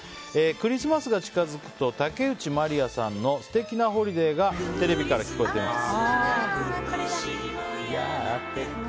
クリスマスが近づくと竹内まりやさんの「すてきなホリデイ」がテレビから聞こえます。